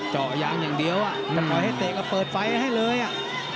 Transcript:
เจาะยางอย่างเดียวอ่ะมันปล่อยให้เตะก็เปิดไฟให้เลยอ่ะ